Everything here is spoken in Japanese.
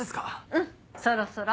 うんそろそろ。